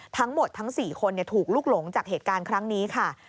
ทั้งหมดทั้ง๔คนถูกลุกหลงจากเหตุการณ์ครั้งนี้ค่ะ